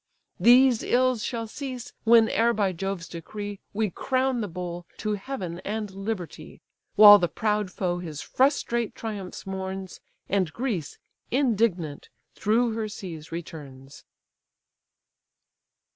These ills shall cease, whene'er by Jove's decree We crown the bowl to heaven and liberty: While the proud foe his frustrate triumphs mourns, And Greece indignant through her seas returns."